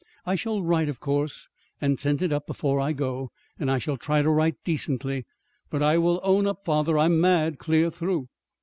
I shall write, of course, and send it up before I go. And I shall try to write decently; but I will own up, father, I'm mad clear through."